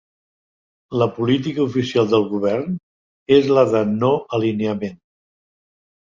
La política oficial del govern és la de no-alineament.